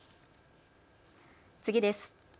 次です。